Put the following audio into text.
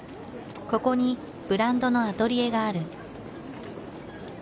ここにブランドのアトリエがある。